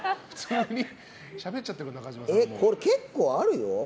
これ、結構あるよ。